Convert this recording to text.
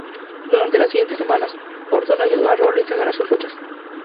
Durante las siguientes semanas, Orton ayudó a Rollins a ganar sus luchas.